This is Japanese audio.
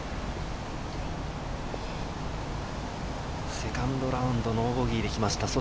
セカンドラウンド、ノーボギーできました。